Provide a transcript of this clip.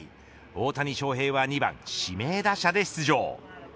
大谷翔平は２番指名打者で出場。